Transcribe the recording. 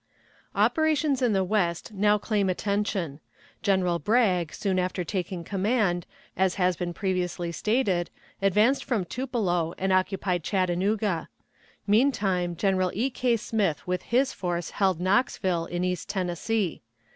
Operations in the West now claim attention. General Bragg, soon after taking command, as has been previously stated, advanced from Tupelo and occupied Chattanooga. Meantime General E. K. Smith with his force held Knoxville, in East Tennessee.